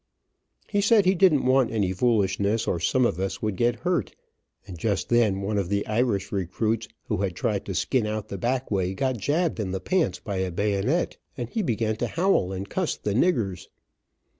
He said he didn't want any foolishness, or some of us would get hurt, and just then one of the Irish recruits, who had tried to skin out the back way, got jabbed in the pants by a bayonet, and he began to howl and cuss the "niggers."